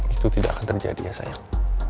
itu tidak akan terjadi ya sayang